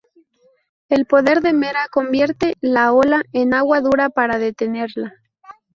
El poder de Mera convierte la ola en agua dura para detenerla.